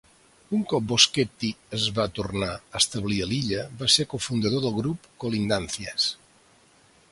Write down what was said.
Un cop Boschetti es va tornar a establir a l'illa, va ser cofundador del grup "Colindancias".